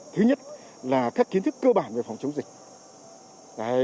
thứ nhất là các kiến thức cơ bản về phòng chống dịch